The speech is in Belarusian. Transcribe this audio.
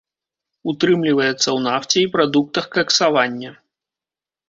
Утрымліваецца ў нафце і прадуктах каксавання.